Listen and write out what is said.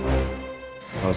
maksudnya tidak usah lebay